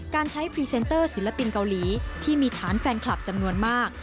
การใช้พรีเซนเตอร์ศิลปินเกาหลีที่มีฐานแฟนคลับจำนวนมาก